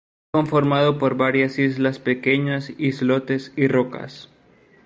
Está conformado por varias islas pequeñas, islotes y rocas.